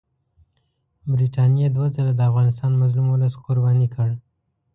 برټانیې دوه ځله د افغانستان مظلوم اولس قرباني کړ.